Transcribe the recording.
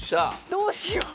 どうしよう